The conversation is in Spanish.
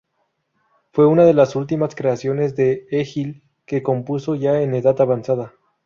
Fue una de las últimas creaciones de Egill, que compuso ya en edad avanzada.